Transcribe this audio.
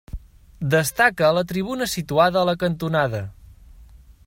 Destaca la tribuna situada a la cantonada.